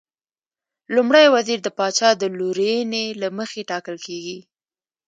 لومړی وزیر د پاچا د لورینې له مخې ټاکل کېږي.